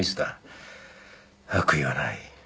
悪意はない。